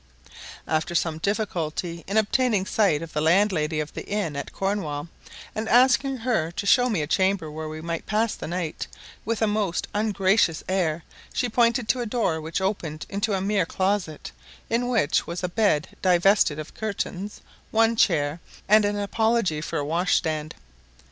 After some difficulty in obtaining sight of the landlady of the inn at Cornwall, and asking her to show me a chamber where we might pass the night, with a most ungracious air she pointed to a door which opened into a mere closet, in which was a bed divested of curtains, one chair, and an apology for a wash stand.